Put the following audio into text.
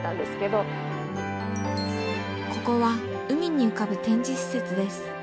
ここは海に浮かぶ展示施設です。